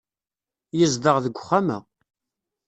Yezdeɣ deg uxxam-a.